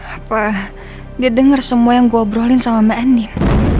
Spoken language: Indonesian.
apa dia denger semua yang gue obrolin sama mbak anin